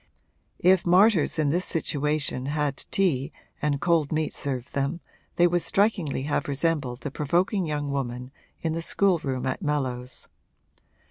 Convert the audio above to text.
If martyrs in this situation had tea and cold meat served them they would strikingly have resembled the provoking young woman in the schoolroom at Mellows.